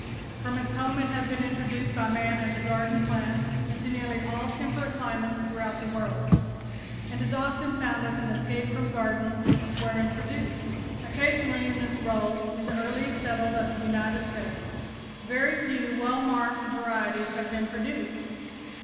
From its home it has been introduced by man as a garden plant into nearly all temperate climates throughout the world, and is often found as an escape from gardens where introduced occasionally in this role in the earliest settled of the United States. Very few well marked varieties have been produced.